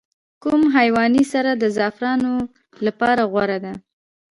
کوم حیواني سره د زعفرانو لپاره غوره ده؟